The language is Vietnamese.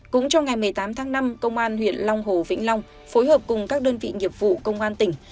cũng trong ngày một mươi tám tháng năm công an huyện long hồ vĩnh long phối hợp cùng các đơn vị nghiệp vụ công an tỉnh